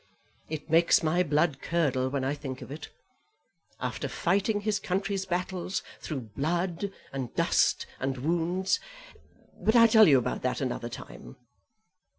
It makes my blood curdle when I think of it. After fighting his country's battles through blood, and dust, and wounds; but I'll tell you about that another time."